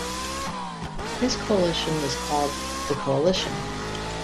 This coalition was called the Coalition.